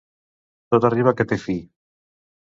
Tot arriba que té fi.